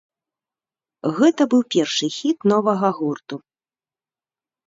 Гэта быў першы хіт новага гурту.